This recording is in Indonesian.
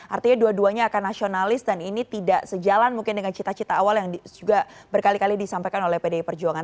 artinya dua duanya akan nasionalis dan ini tidak sejalan mungkin dengan cita cita awal yang juga berkali kali disampaikan oleh pdi perjuangan